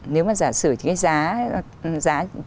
nếu mà giả sử cái giá